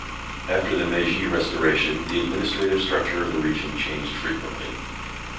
After the Meiji Restoration the administrative structure of the region changed frequently.